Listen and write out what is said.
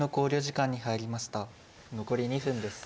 残り２分です。